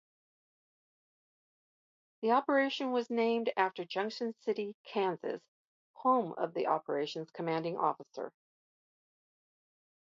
The operation was named after Junction City, Kansas, home of the operation's commanding officer.